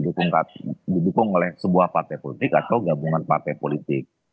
didukung oleh sebuah partai politik atau gabungan partai politik